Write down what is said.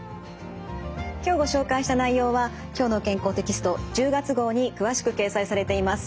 今日ご紹介した内容は「きょうの健康」テキスト１０月号に詳しく掲載されています。